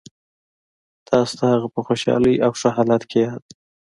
تاسو ته هغه په خوشحاله او ښه حالت کې یاد دی